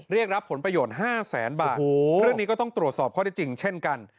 เรียกรับผลประโยชน์๕แสนบาทเรื่องนี้ก็ต้องตรวจสอบข้อได้จริงเช่นกัน